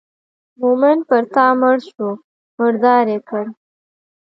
مومن پر تا مړ شو مردار یې کړ.